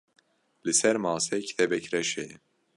Li ser masê kitêbek reş heye.